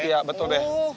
iya betul be